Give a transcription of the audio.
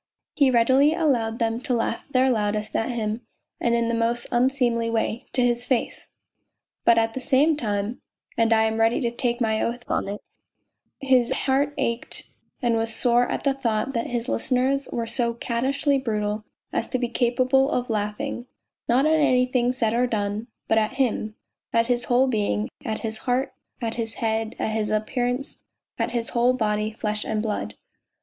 He readily allowed them to laugh their loudest at him and in the most unseemly way, to liis face, but at the same time and I am ready to take my oath on it his heart ached and was sore at the thought that his listeners AM rv so caddishly brutal as to be capable of laughing, not at anything said or done, but at him, at his whole being, at his heart, at his head, at his appearance, at his whole body, flesh and blood.